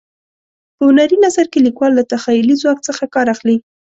په هنري نثر کې لیکوال له تخیلي ځواک څخه کار اخلي.